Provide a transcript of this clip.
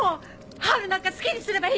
ハウルなんか好きにすればいい！